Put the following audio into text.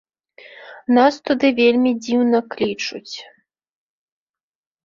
Нас туды вельмі дзіўна клічуць.